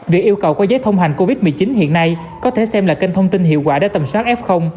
việc yêu cầu quay giấy thông hành covid một mươi chín hiện nay có thể xem là kênh thông tin hiệu quả để tầm soát f